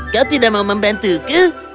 kau tidak mau membantuku